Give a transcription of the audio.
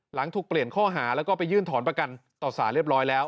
หลังถูกเปลี่ยนข้อหาแล้วก็ไปยื่นถอนประกันต่อสารเรียบร้อยแล้ว